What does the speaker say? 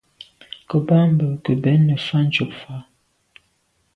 Nku boa mbu ke bèn nefà’ tshob fà’.